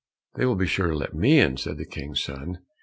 "They will be sure to let me in," said the King's son.